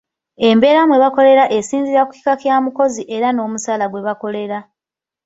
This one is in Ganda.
Embeera mwe bakolera esinziira ku kika Kya mukozi era n'omusaala gw'akolera.